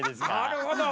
なるほど！